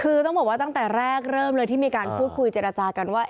คือต้องบอกว่าตั้งแต่แรกเริ่มเลยที่มีการพูดคุยเจรจากันว่า